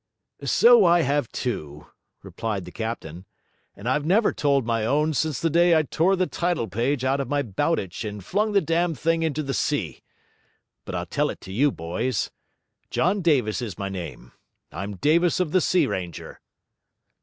'So I have too,' replied the captain; 'and I've never told my own since the day I tore the title page out of my Bowditch and flung the damned thing into the sea. But I'll tell it to you, boys. John Davis is my name. I'm Davis of the Sea Ranger.'